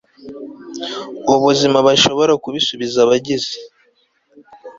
ubuzima bashobora kubisubiza Abagize